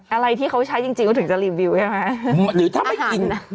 อะไรที่เขาใช้จริงก็ถึงจะรีวิวใช่ไหม